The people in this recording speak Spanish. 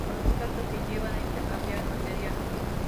A veces tanto, que llegan a intercambiar material.